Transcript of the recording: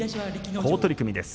好取組です。